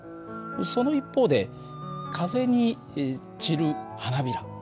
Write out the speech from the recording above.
その一方で風に散る花びら